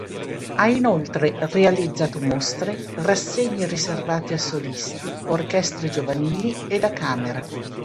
Ha inoltre realizzato mostre, rassegne riservate a solisti, orchestre giovanili e da camera.